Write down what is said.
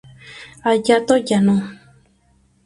Hayato Yano